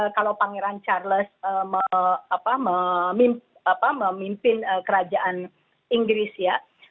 kalau pangeran charles memimpin kerajaan inggris ya